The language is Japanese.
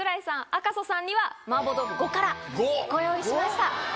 赤楚さんには麻婆豆腐５辛ご用意しました。